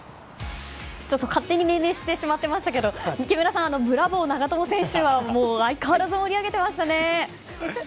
勝手に命名してしまっていましたが木村さん、ブラボー長友選手はもう相変わらず盛り上げていましたね。